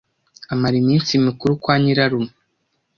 Amara iminsi mikuru kwa nyirarume.